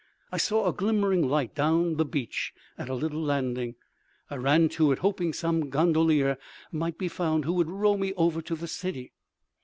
I saw a glimmering light down the beach at a little landing. I ran to it, hoping some gondolier might be found who would row me over to the city.